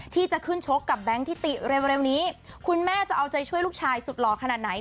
ที่จะขึ้นชกกับแบงค์ทิติเร็วนี้คุณแม่จะเอาใจช่วยลูกชายสุดหล่อขนาดไหน